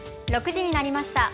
６時になりました。